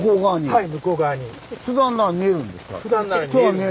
はい。